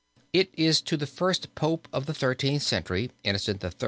It is to the first Pope of the Thirteenth Century, Innocent III.